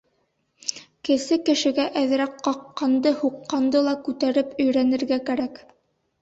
Кесе кешегә әҙерәк ҡаҡҡанды, һуҡҡанды ла күтәреп өйрәнергә кәрәк.